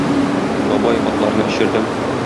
Бабай, атларны эчердем.